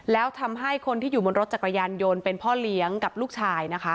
แล้วทำให้คนที่อยู่บนรถจักรยานยนต์เป็นพ่อเลี้ยงกับลูกชายนะคะ